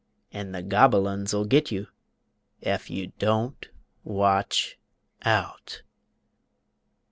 An' the Gobble uns'll git you Ef you Don't Watch Out!